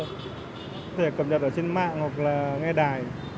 có thể cập nhật ở trên mạng hoặc là nghe đài